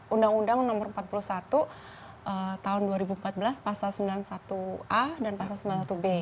undang undang nomor empat puluh satu tahun dua ribu empat belas pasal sembilan puluh satu a dan pasal sembilan puluh satu b